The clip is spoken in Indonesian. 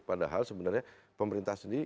padahal sebenarnya pemerintah sendiri